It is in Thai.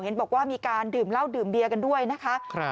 เห็นบอกว่ามีการดื่มเหล้าดื่มเบียกันด้วยนะคะ